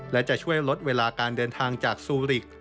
และจะช่วยลดเวลาการเดินทางจากซูริก